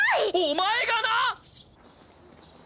お前がな！？